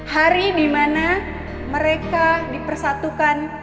hari dimana mereka dipersatukan